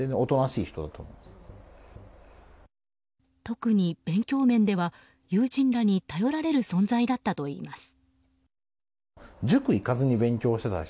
特に勉強面では、友人らに頼られる存在だったといいます。